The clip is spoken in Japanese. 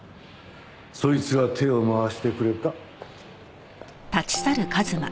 そいつが手を回してくれた。